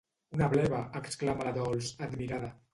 Una bleva!, exclama la Dols, admirada.